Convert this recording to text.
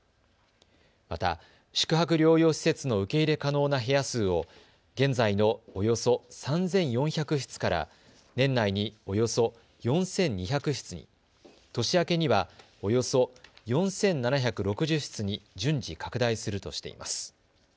また宿泊療養施設の受け入れ可能な部屋数を現在のおよそ３４００室から年内におよそ４２００室に、年明けにはおよそ４７６０室に順次拡大するとしています。